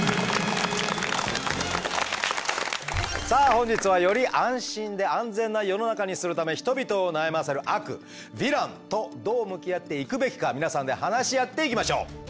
さあ本日はより安心で安全な世の中にするため人々を悩ませる悪ヴィランとどう向き合っていくべきか皆さんで話し合っていきましょう。